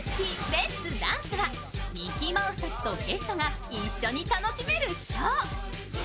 レッツ・ダンス！はミッキーマウスたちとゲストが一緒に楽しめるショー。